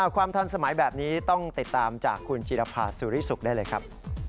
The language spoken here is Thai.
ความทันสมัยแบบนี้ต้องติดตามจากคุณจิรภาสุริสุขได้เลยครับ